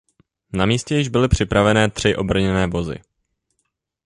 Na místě již byly připravené tři obrněné vozy.